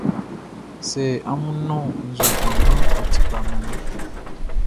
Sɛ amun nɔn nzue kpanngbanʼn, ɔ ti kpa man amun.